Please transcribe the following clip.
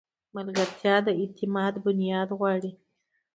ملګرتیا د اعتماد بنیاد غواړي.